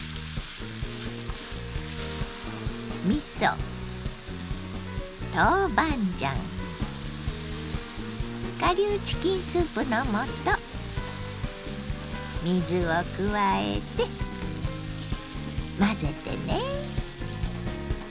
みそ豆板醤顆粒チキンスープの素水を加えて混ぜてね。